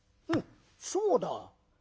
そうだ。